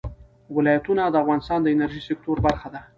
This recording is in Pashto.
ولایتونه د افغانستان د انرژۍ سکتور برخه ده.